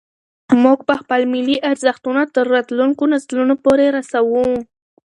موږ به خپل ملي ارزښتونه تر راتلونکو نسلونو پورې رسوو.